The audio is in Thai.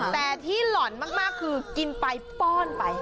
แต่ที่หล่อนมากคือกินไปป้อนไป